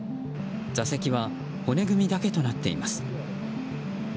座席は骨組みだけとなっています。